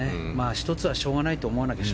１つはしょうがないと思って。